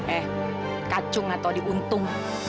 eh kacung atau diuntung